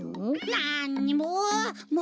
なんにも。